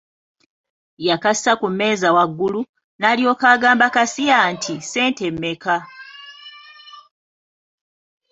Yakassa ku mmeeza waggulu, n'alyoka agamba kasiya nti ssente mmeka?